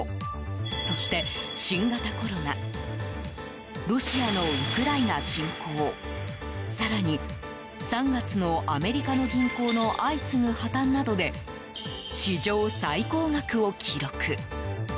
そして、新型コロナロシアのウクライナ侵攻更に、３月のアメリカの銀行の相次ぐ破綻などで史上最高額を記録。